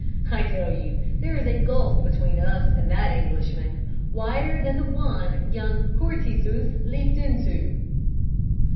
I tell you, there is a gulf between us and that Englishman, wider than the one young Curtius leaped into."